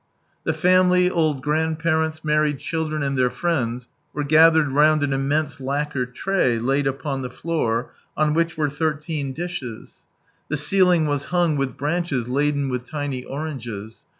The family, old grandparents, married children and their friends, were gathered round an immense iacquer tray laid upon the floor, on which were thirteen dishes. The ceiling was hung with branches laden with tiny oranges.